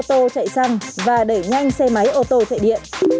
tôi chạy xăng và đẩy nhanh xe máy ô tô thệ điện